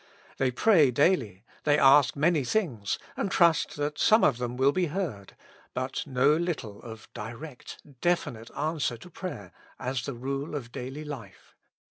They pray daily, they ask many things, and trust that some of them will be heard, but know little of direct, definite answer to prayer as the rule of daily life.